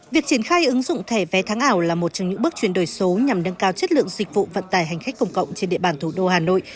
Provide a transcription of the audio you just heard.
việc triển khai ứng dụng thẻ vé tháng ảo là một trong những bước chuyển đổi số nhằm nâng cao chất lượng dịch vụ vận tải hành khách công cộng trên địa bàn thủ đô hà nội